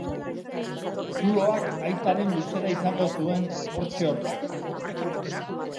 Zuloak aitaren luzera izango zuen hortxe-hortxe.